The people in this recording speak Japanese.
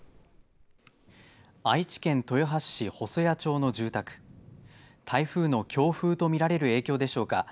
愛知県豊橋市細谷町の住宅台風の強風と見られる影響でしょうか。